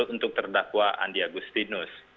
untuk terdakwa andi agustinus